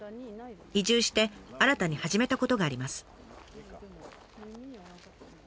移住して新たに始めたことがあります。